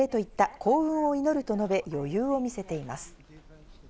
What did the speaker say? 幸運を祈る！と述べ、余裕を見せています。